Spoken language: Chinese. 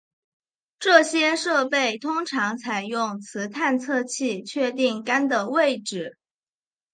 这些设备通常采用磁探测器确定杆的位置。